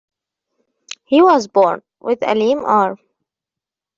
He was born with a lame arm.